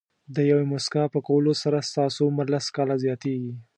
د یوې موسکا په کولو سره ستاسو عمر لس کاله زیاتېږي.